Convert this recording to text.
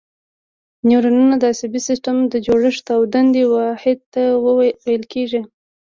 نیورونونه د عصبي سیستم د جوړښت او دندې واحد ته ویل کېږي.